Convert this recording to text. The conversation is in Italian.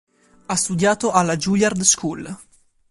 Ha studiato alla Juilliard School.